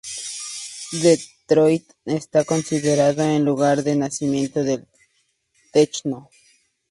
Detroit está considerado el lugar de nacimiento del techno.